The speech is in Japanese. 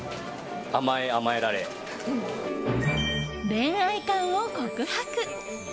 恋愛観を告白。